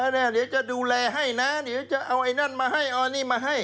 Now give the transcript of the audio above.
เดี๋ยวจะดูแลให้นะเดี๋ยวจะเอาไอ้นั่นมาให้เอานี่มาให้